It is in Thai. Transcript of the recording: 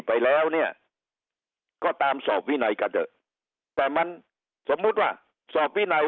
ไปแล้วเนี่ยก็ตามสอบวินัยกันเถอะแต่มันสมมุติว่าสอบวินัย